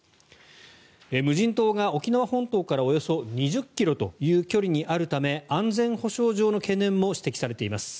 無人島が沖縄本島からおよそ２０ｋｍという距離にあるため安全保障上の懸念も指摘されています。